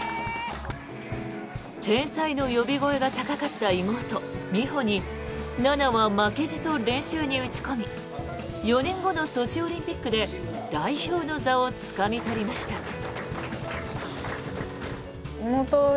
天才の呼び声が高かった妹・美帆に菜那は負けじと練習に打ち込み４年後のソチオリンピックで代表の座をつかみ取りました。